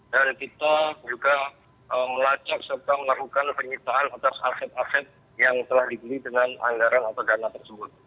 dan kita juga melacak serta melakukan penyertaan atas aset aset yang telah dibeli dengan anggaran atau dana tersebut